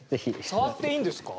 触っていいんですか？